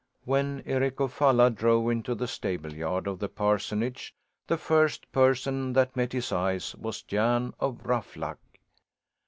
When Eric of Falla drove into the stable yard of the parsonage the first person that met his eyes was Jan of Ruffluck.